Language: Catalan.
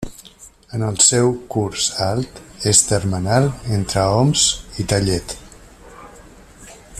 En el seu curs alt és termenal entre Oms i Tellet.